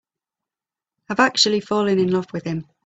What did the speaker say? I've actually fallen in love with him.